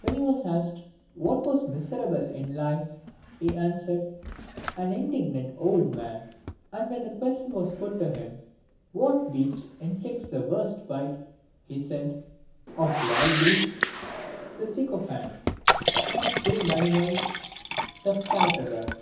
When he was asked what was miserable in life, he answered, " An indigent old man." And when the question was put to him, what beast inflicts the worst bite, he said, " Of wild beasts the sycophant, and of tame animals the flatterer."